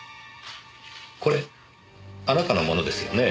これあなたのものですよね？